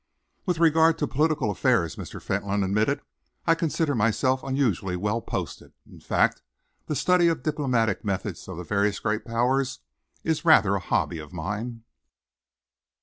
"With regard to political affairs," Mr. Fentolin admitted, "I consider myself unusually well posted in fact, the study of the diplomatic methods of the various great Powers is rather a hobby of mine."